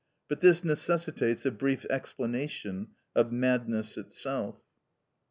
But this necessitates a brief explanation of madness itself.